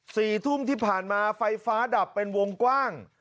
สี่ทุ่มที่ผ่านมาไฟฟ้าดับเป็นวงกว้าง